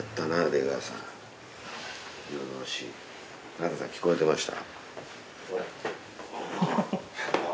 田中さん聞こえてました？